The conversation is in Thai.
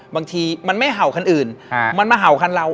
บางทีมันไม่เห่าคันอื่นมันมาเห่าคันเรา